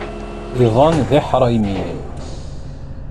Iḍan d iḥṛaymiyen.